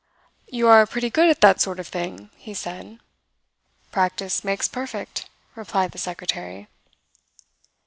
"You are pretty good at that sort of thing," he said. "Practice makes perfect," replied the secretary.